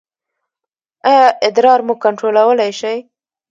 ایا ادرار مو کنټرولولی شئ؟